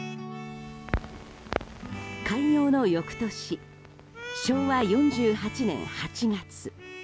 開業の翌年、昭和４８年８月。